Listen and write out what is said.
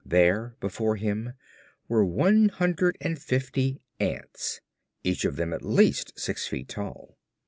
There before him were one hundred and fifty ants, each of them at least six feet tall.